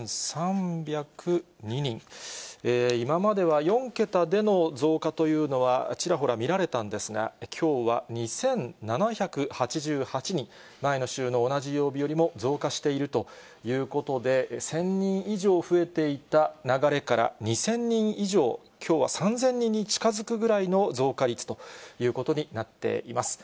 今までは４桁での増加というのはちらほら見られたんですが、きょうは２７８８人、前の週の同じ曜日よりも増加しているということで、１０００人以上増えていた流れから、２０００人以上きょうは３０００人に近づくぐらいの増加率ということになっています。